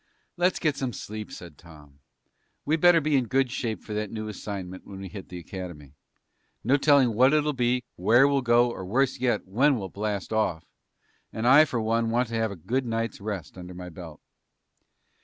"Let's get some sleep," said Tom. "We better be in good shape for that new assignment when we hit the Academy. No telling what it'll be, where we'll go, or worse yet, when we'll blast off. And I, for one, want to have a good night's rest under my belt."